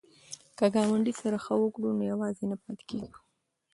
که ګاونډي سره ښه وکړو نو یوازې نه پاتې کیږو.